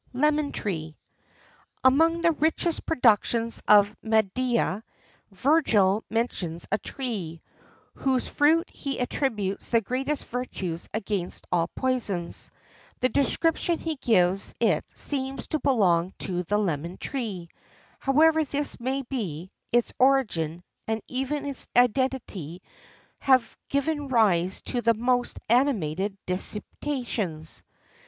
LEMON TREE. Among the richest productions of Media, Virgil mentions a tree, to whose fruit he attributes the greatest virtues against all poisons. The description he gives of it seems to belong to the lemon tree.[XIII 25] However this may be, its origin, and even its identity, have given rise to the most animated disputations.